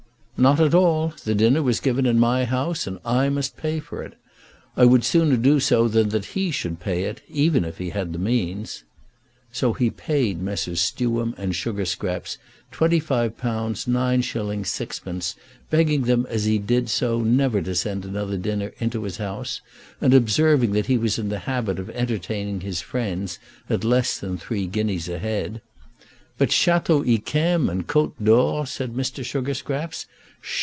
"Not at all. The dinner was given in my house, and I must pay for it. I would sooner do so than that he should pay it, even if he had the means." So he paid Messrs. Stewam and Sugarscraps £25 9s. 6d., begging them as he did so never to send another dinner into his house, and observing that he was in the habit of entertaining his friends at less than three guineas a head. "But Château Yquem and Côte d'Or!" said Mr. Sugarscraps.